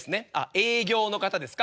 営業の方ですか？